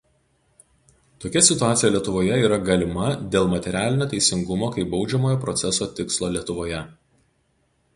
Tokia situacija Lietuvoje yra galima dėl materialinio teisingumo kaip baudžiamojo proceso tikslo Lietuvoje.